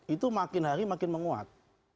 itu makin hari makin menguat